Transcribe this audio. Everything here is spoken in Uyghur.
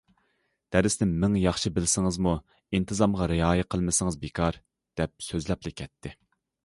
دەرسنى مىڭ ياخشى بىلسىڭىزمۇ، ئىنتىزامغا رىئايە قىلمىسىڭىز بىكار...- دەپ سۆزلەپلا كەتتى.